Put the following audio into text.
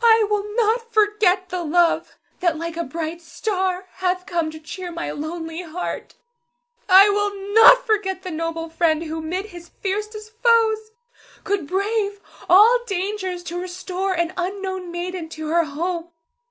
I will not forget the love that like a bright star hath come to cheer my lonely heart. I will not forget the noble friend who, 'mid his fiercest foes, could brave all dangers to restore an unknown maiden to her home.